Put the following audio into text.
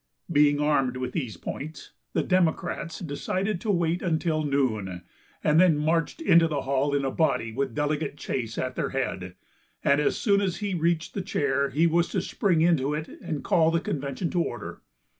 Being armed with these points, the Democrats decided to wait until noon, and then march into the hall in a body with Delegate Chase at their head, and as soon as he reached the chair he was to spring into it and call the convention to order.